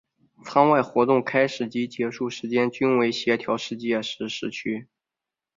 舱外活动开始及结束时间均为协调世界时时区。